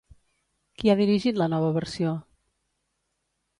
Qui ha dirigit la nova versió?